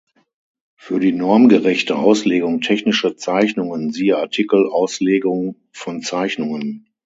Für die normgerechte Auslegung technischer Zeichnungen siehe Artikel Auslegung von Zeichnungen.